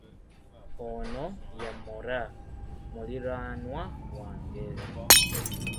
Ono ye Moraa, muliraanwa wange.